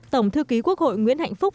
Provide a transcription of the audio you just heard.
tổng thư ký quốc hội nguyễn hạnh phúc